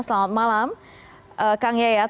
selamat malam kang yayat